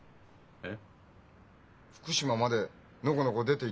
えっ？